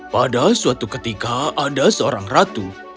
pada suatu ketika ada seorang ratu